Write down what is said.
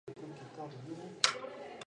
你将扮演一位名为「旅行者」的神秘角色。